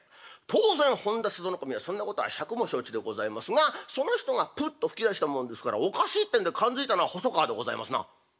当然本多佐渡守はそんなことは百も承知でございますがその人がプッと吹き出したもんですからおかしいってんで感づいたのは細川でございますな。